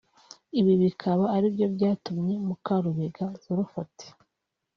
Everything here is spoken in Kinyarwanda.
Ibi bikaba ari byo byatumye Mukarubega Zulfat